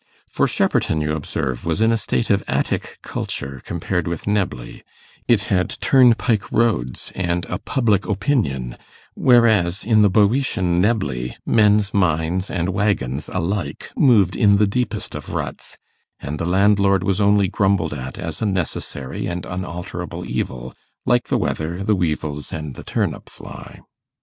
For Shepperton, you observe, was in a state of Attic culture compared with Knebley; it had turnpike roads and a public opinion, whereas, in the Bœotian Knebley, men's minds and waggons alike moved in the deepest of ruts, and the landlord was only grumbled at as a necessary and unalterable evil, like the weather, the weevils, and the turnip fly.